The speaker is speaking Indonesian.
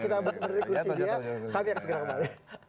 kita akan segera kembali